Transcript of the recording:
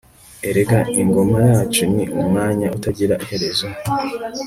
erega ingoma yacu ni umwanya utagira iherezo